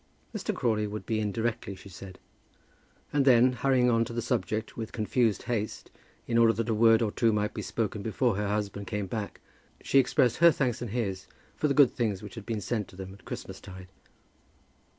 Mr. Crawley would be in directly, she said. And then, hurrying on to the subject with confused haste, in order that a word or two might be spoken before her husband came back, she expressed her thanks and his for the good things which had been sent to them at Christmas tide.